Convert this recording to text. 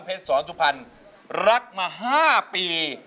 เพชรสวนพรรดิรักมา๕ปี